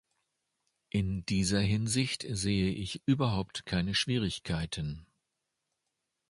In dieser Hinsicht sehe ich überhaupt keine Schwierigkeiten.